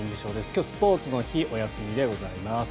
今日、スポーツの日お休みでございます。